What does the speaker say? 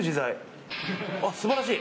あっ素晴らしい。